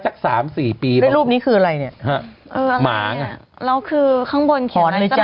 สักสามสี่ปีรูปนี้คืออะไรเนี้ยฮะหมาไงเราคือข้างบนเขียนไว้